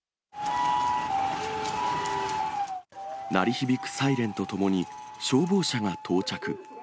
鳴り響くサイレンとともに、消防車が到着。